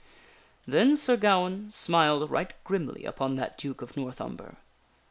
Then Sir Gawaine smiled right grimly upon that Duke of North Umber.